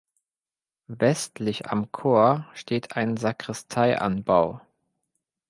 Westlich am Chor steht ein Sakristeianbau.